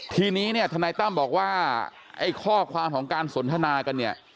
ทีนี้เนี่ยทนายตั้มบอกว่าไอ้ข้อความของการสนทนากันเนี่ย